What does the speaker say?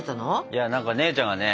いや何か姉ちゃんがね